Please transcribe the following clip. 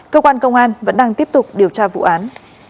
cơ quan công an vẫn đang tiếp tục điều tra vụ án